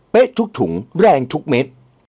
ทุกถุงแรงทุกเม็ด